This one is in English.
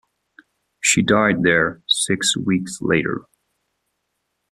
She died there six weeks later.